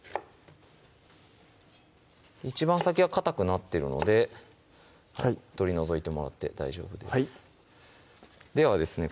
一番先はかたくなってるので取り除いてもらって大丈夫ですではですね